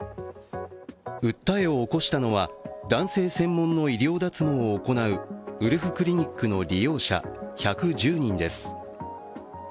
訴えを起こしたのは男性専門の医療脱毛を行うウルフクリニックの利用者１１０人です。